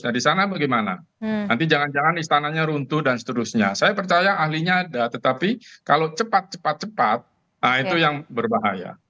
nah di sana bagaimana nanti jangan jangan istananya runtuh dan seterusnya saya percaya ahlinya ada tetapi kalau cepat cepat cepat nah itu yang berbahaya